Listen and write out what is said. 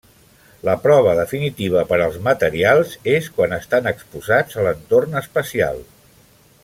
La prova definitiva per als materials és quan estan exposats a l'entorn espacial.